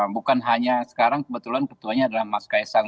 bukan hanya sekarang kebetulan petuanya adalah mas kaesang